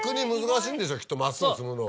きっと真っすぐ積むのは。